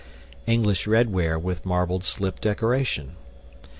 English Redware with Marbled Slip Decoration.